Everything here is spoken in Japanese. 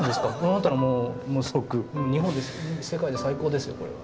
だったらもうものすごく日本で世界で最高ですよこれは。